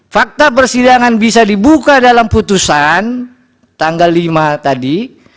fakta persidangan bisa dibuka dalam putusan tanggal lima tadi